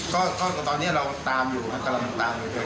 ก็ตอนนี้เราตามอยู่กลับกลับตามอยู่